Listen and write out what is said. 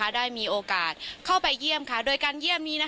ได้มีโอกาสเข้าไปเยี่ยมโดยการเยี่ยมนี้